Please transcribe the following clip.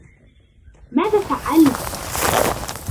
ماذا فعلتَ ؟